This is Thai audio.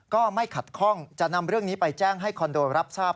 ก็ไม่ขัดข้องจะนำเรื่องนี้ไปแจ้งให้คอนโดรับทราบ